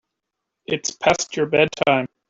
It's past your bedtime.